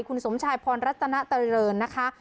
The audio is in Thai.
คุณสมชายพรรณรัฐนตรริเรินนะคะ